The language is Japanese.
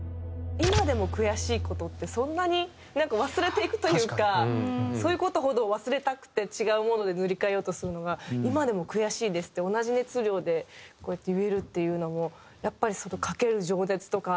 今でも悔しい事ってそんなになんか忘れていくというかそういう事ほど忘れたくて違うもので塗り替えようとするのが「今でも悔しいです」って同じ熱量でこうやって言えるっていうのもやっぱりかける情熱とか。